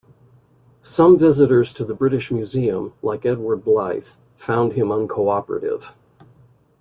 Some visitors to the British Museum like Edward Blyth found him uncooperative.